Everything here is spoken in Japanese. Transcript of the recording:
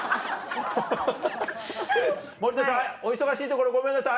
お忙しいところごめんなさい。